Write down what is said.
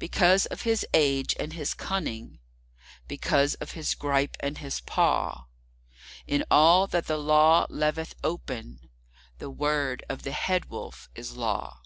Because of his age and his cunning, because of his gripe and his paw, In all that the Law leaveth open, the word of the Head Wolf is Law.